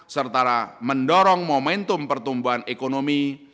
serta mendorong momentum pertumbuhan ekonomi